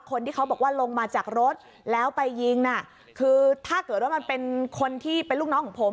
คนที่เขาบอกว่าลงมาจากรถแล้วไปยิงน่ะคือถ้าเกิดว่ามันเป็นคนที่เป็นลูกน้องของผม